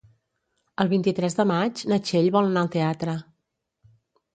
El vint-i-tres de maig na Txell vol anar al teatre.